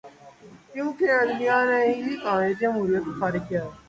کیونکہ عدلیہ نے ہی قائد جمہوریت کو فارغ کیا۔